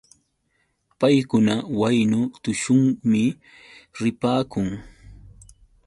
Paykuna waynu tushuqmi ripaakun.